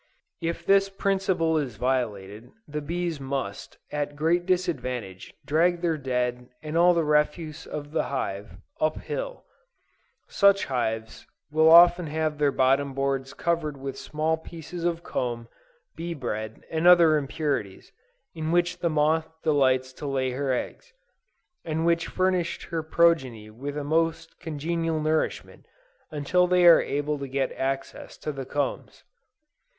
If this principle is violated, the bees must, at great disadvantage, drag their dead, and all the refuse of the hive, up hill. Such hives will often have their bottom boards covered with small pieces of comb, bee bread, and other impurities, in which the moth delights to lay her eggs; and which furnished her progeny with a most congenial nourishment, until they are able to get access to the combs.